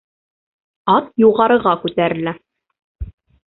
Ат юғарыға күтәрелә.